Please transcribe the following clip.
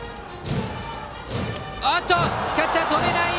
キャッチャー、とれない！